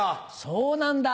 そうなんだ。